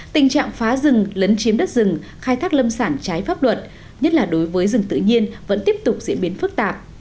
tình trạng phá rừng lấn chiếm đất rừng khai thác lâm sản trái pháp luật nhất là đối với rừng tự nhiên vẫn tiếp tục diễn biến phức tạp